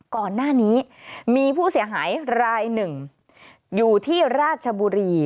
ก่อนหน้านี้มีผู้เสียหายรายหนึ่งอยู่ที่ราชบุรี